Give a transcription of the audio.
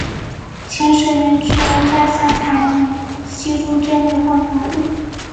潜水员只有在下才能吸入这类混合物。